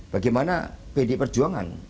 bagaimana pd perjuangan